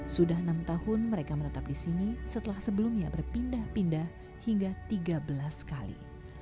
sudah enam tahun mereka menetap di sini setelah sebelumnya berpindah pindah hingga tiga belas kali